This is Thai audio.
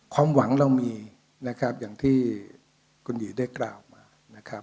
ความหวังเรามีอย่างที่คุณหยิได้กล้าวมา